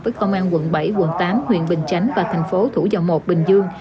với công an quận bảy quận tám huyện bình chánh và thành phố thủ dầu một bình dương